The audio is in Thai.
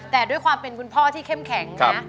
แต่ด้วยความเป็นคุณพ่อที่เข้มแข็งนะ